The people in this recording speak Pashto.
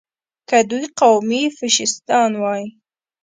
که دوی قومي فشیستان وای.